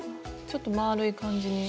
ちょっと丸い感じに。